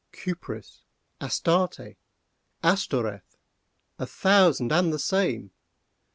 —Kupris! Astarte! Astoreth!—a thousand and the same!